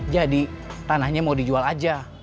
jadi tanahnya mau dijual aja